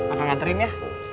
aku ngaterin ya